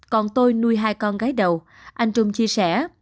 còn tôi nuôi hai con gái đầu anh trung chia sẻ